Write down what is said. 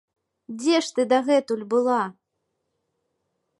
Дзе ж ты дагэтуль была?